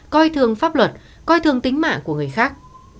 coi thường pháp luật coi thường tính mạng của người khác